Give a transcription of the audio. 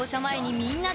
みんなで？